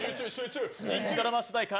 人気ドラマ主題歌